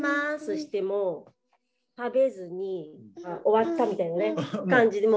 しても食べずに終わったみたいな感じで。